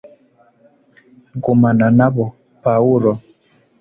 gumana nabo, pawulo